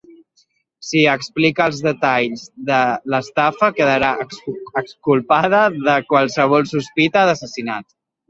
Si explica els detalls de l'estafa quedarà exculpada de qualsevol sospita d'assassinat.